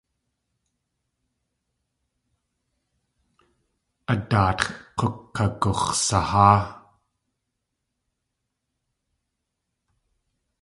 A daatx̲ k̲ukagux̲saháa.